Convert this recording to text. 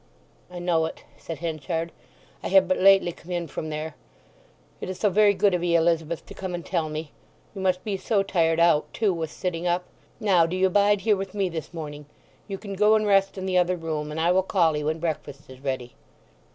"I know it," said Henchard. "I have but lately come in from there. It is so very good of 'ee, Elizabeth, to come and tell me. You must be so tired out, too, with sitting up. Now do you bide here with me this morning. You can go and rest in the other room; and I will call 'ee when breakfast is ready."